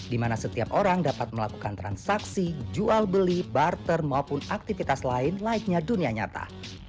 di mana setiap orang dapat melakukan transaksi jual beli barter maupun aktivitas lain laiknya dunia nyata